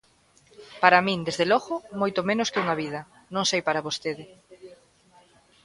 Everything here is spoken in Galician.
Para min, desde logo, moito menos que unha vida; non sei para vostede.